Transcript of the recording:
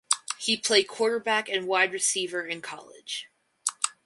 He played quarterback and wide receiver in college.